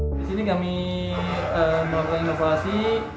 disini kami melakukan inovasi